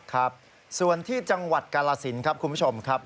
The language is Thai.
ครับส่วนที่จังหวัดกาลสินครับคุณผู้ชมครับ